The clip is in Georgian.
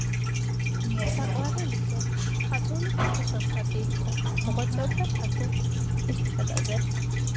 საყვარელიძე მხატვრული კითხვის ოსტატიც იყო, მოღვაწეობდა ქართულ ესტრადაზე.